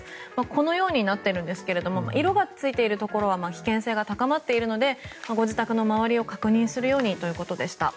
このようになっているんですが色がついているところは危険性が高まっているのでご自宅の周りを確認するようにということでした。